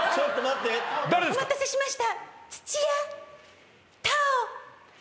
お待たせしました。